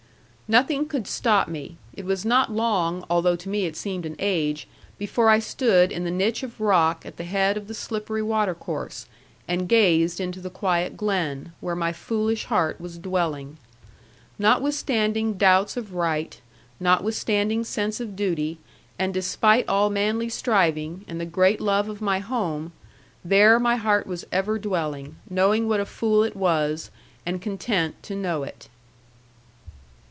Nothing could stop me; it was not long, although to me it seemed an age, before I stood in the niche of rock at the head of the slippery watercourse, and gazed into the quiet glen, where my foolish heart was dwelling. Notwithstanding doubts of right, notwithstanding sense of duty, and despite all manly striving, and the great love of my home, there my heart was ever dwelling, knowing what a fool it was, and content to know it.